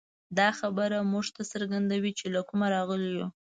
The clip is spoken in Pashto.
دا خبره موږ ته څرګندوي، چې له کومه راغلي یو.